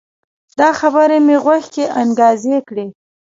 دا خبرې مې غوږو کې انګازې کړي